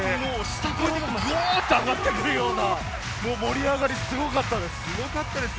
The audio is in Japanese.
下からグワっと上がってくるような感じで、盛り上がり、すごかったです。